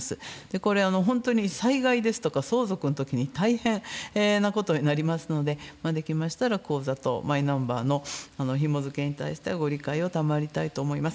これ、本当に災害ですとか、相続のときに大変なことになりますので、できましたら口座とマイナンバーのひもづけに対してはご理解を賜りたいと思います。